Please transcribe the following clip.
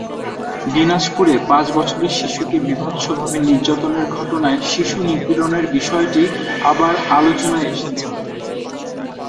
দিনাজপুরে পাঁচ বছরের শিশুকে বীভৎসভাবে নির্যাতনের ঘটনায় শিশু নিপীড়নের বিষয়টি আবার আলোচনায় এসেছে।